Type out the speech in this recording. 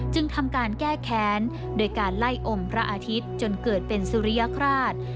จึงทำการแก้แค้นโดยการไล่อมพระอาทิตย์จนเกิดเป็นสุริยคราช